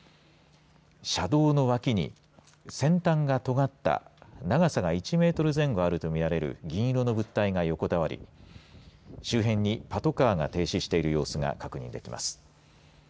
車道の脇に先端がとがった長さが１メートル前後あるとみられる銀色の物体が横たわり周辺にパトカーが停止している様子が確認できます。